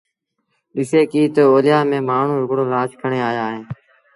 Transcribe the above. ڏسي ڪيٚ تا اوليآ ميݩ مآڻهوٚٚݩ هڪڙو لآش کڻي آيآ اهيݩ